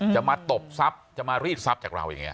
จะมาตบทรัพย์จะมารีดทรัพย์จากเราอย่างนี้